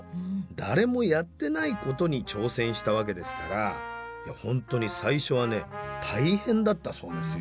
誰もやってないことに挑戦したわけですから本当に最初はね大変だったそうですよ。